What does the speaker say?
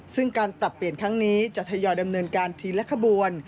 ซึ่งการปรับเปลี่ยนครั้งนี้จะทยอยดำเนินการทีละขบวน